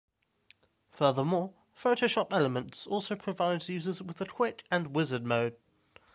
Furthermore, Photoshop Elements also provides users with a quick and wizard mode.